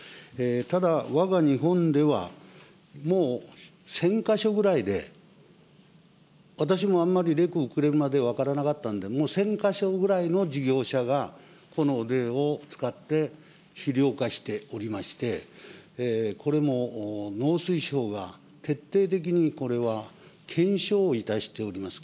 ただ、わが日本では、もう１０００か所ぐらいで、私もあんまり分からなかったんで、もう１０００か所ぐらいの事業者がこの汚泥を使って、肥料化しておりまして、これも農水省が徹底的にこれは検証をいたしております。